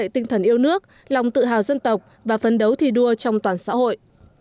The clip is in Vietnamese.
tinh thần yêu nước lòng tự hào dân tộc và phấn đấu thi đua trong toàn xã hội